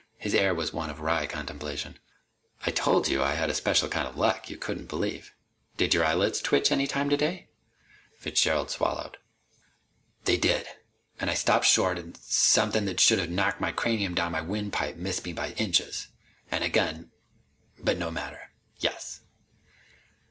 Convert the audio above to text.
His air was one of wry contemplation. "I told you I had a special kind of luck you couldn't believe. Did your eyelids twitch any time today?" Fitzgerald swallowed. "They did. And I stopped short an' something that should've knocked my cranium down my windpipe missed me by inches. An' again But no matter. Yes."